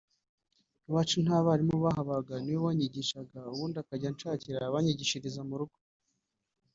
Iwacu nta barimu bahabaga ni we wanyigishaga ubundi akajya kunshakira abanyigishiriza mu rugo